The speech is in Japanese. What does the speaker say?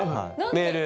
メール。